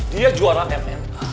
dia juara mn